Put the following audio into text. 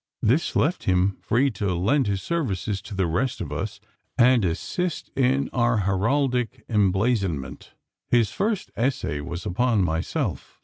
This left him free to lend his services to the rest of us, and assist in our heraldic emblazonment. His first essay was upon myself.